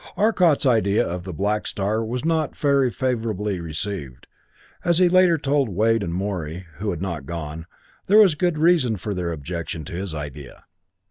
Arcot's idea of the black star was not very favorably received. As he later told Wade and Morey, who had not gone, there was good reason for their objection to his idea.